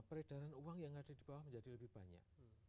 peredaran uang yang ada di bawah menjadi lebih banyak